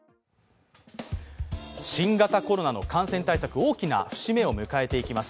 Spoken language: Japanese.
新型コロナの感染対策、大きな節目を迎えていきます。